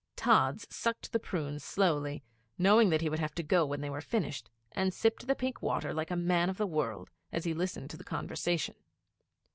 Tods sucked the prunes slowly, knowing that he would have to go when they were finished, and sipped the pink water like a man of the world, as he listened to the conversation.